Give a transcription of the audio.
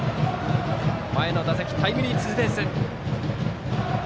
前の打席、タイムリーツーベース。